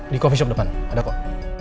di coffe shop depan ada kok